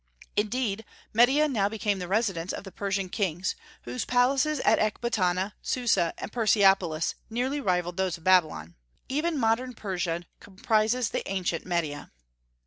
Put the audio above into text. Indeed, Media now became the residence of the Persian kings, whose palaces at Ecbatana, Susa, and Persepolis nearly rivalled those of Babylon. Even modern Persia comprises the ancient Media.